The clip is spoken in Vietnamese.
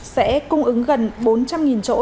sẽ cung ứng gần bốn trăm linh chỗ